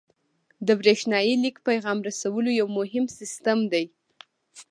د بریښنایي لیک پیغام رسولو یو مهم سیستم دی.